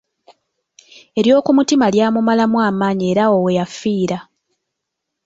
Ery’oku mutima lyamumalamu amaanyi era awo weyafiira.